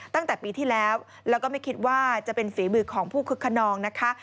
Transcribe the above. ตั้งแต่ปีที่แล้วแล้วก็ไม่คิดว่าจะเป็นฝีมือของผู้คึกขนองนะคะ